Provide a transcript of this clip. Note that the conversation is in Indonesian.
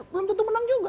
belum tentu menang juga